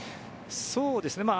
そうですね。